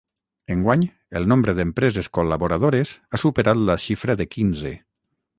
Enguany, el nombre d’empreses col·laboradores ha superat la xifra de quinze.